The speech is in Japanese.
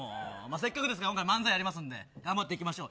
せっかくですから漫才やりますので頑張っていきましょう。